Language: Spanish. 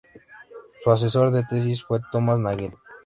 Su asesor de tesis fue Thomas Nagel.